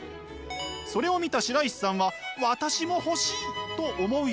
それを見た白石さんは私も欲しいと思うようになります。